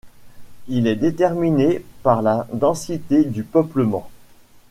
Il est déterminé par la densité du peuplement.